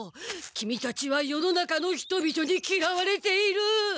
キミたちは世の中の人々にきらわれている。